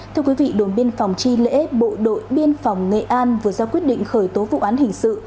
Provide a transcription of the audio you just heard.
thưa quý vị đồn biên phòng tri lễ bộ đội biên phòng nghệ an vừa ra quyết định khởi tố vụ án hình sự